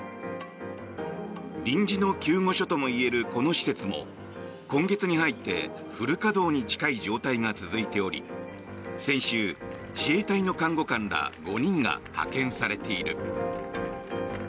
臨時の救護所ともいえるこの施設も今月に入ってフル稼働に近い状態が続いており先週、自衛隊の看護官ら５人が派遣されている。